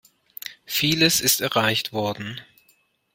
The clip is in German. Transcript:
Vieles ist erreicht worden.